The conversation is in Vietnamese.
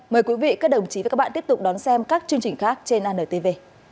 mời quý vị các đồng chí và các bạn tiếp tục đón xem các chương trình khác trên antv